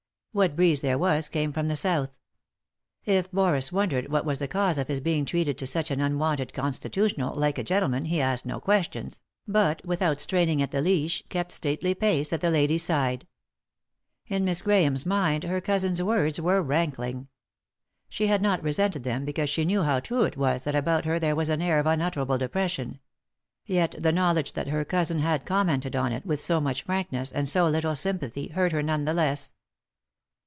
What breeze there was came from the south. If Boris wondered what was the cause of his being treated to such an unwonted con stitutional, like a gentleman, he asked no questions, but, without straining at the leash, kept stately pace at the lady's side. In Miss Grahame's mind her ;«y?e.c.V GOOglC THE INTERRUPTED KISS cousin's words were rankling. She had not resented them, because she knew how true it was that about her there was an air of unutterable depression ; yet the knowledge that her cousin had commented on it with so much frankness, and so little sympathy, hurt her none the less.